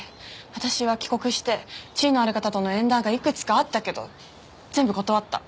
私は帰国して地位のある方との縁談がいくつかあったけど全部断った。